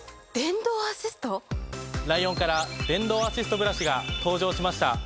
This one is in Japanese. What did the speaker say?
ライオンから電動アシストブラシが登場しました。